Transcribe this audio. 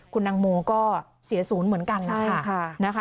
คุณตังโมก็เสียศูนย์เหมือนกันนะคะ